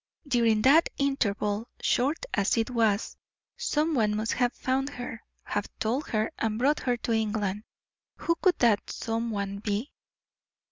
During that interval, short as it was, some one must have found her, have told her, and brought her to England. Who could that some one be?